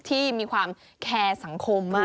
ที่มีความแคร์สังคมมาก